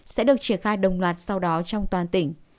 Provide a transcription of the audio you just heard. sẽ được triển khai đồng loạt sau đó trong toàn tỉnh